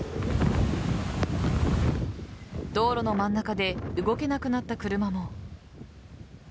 道路の真ん中で動けなくなった車も。